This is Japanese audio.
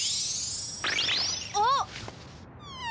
あっ！